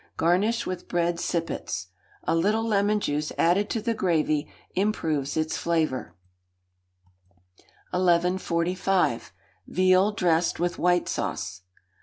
Garnish with bread sippets. A little lemon juice added to the gravy improves its flavour. 1145. Veal dressed with White Sauce.